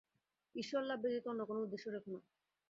ঈশ্বরলাভ ব্যতীত অন্য কোন উদ্দেশ্য রেখ না।